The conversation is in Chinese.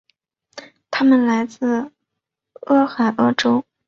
他们来自俄亥俄州。